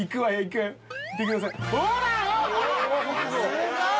すごい！